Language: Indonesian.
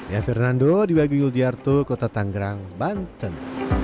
ya fernando di bagu yul di yartu kota tanggerang banten